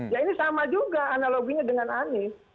ya ini sama juga analoginya dengan anies